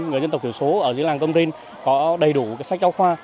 người dân tộc thiểu số ở dưới làng công rinh có đầy đủ sách trao khoa